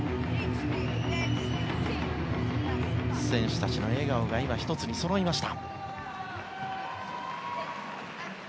選手たちの笑顔が１つにそろいました。